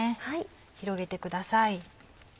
広げてください。